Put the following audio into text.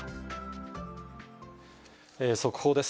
速報です。